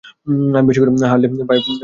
আমি বেশিক্ষণ হাঁটলে পায়ে পানি চলে আসে।